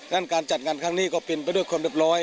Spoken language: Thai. งั้นการจัดงานข้างนี้ก็ปินไปด้วยความเร็บร้อย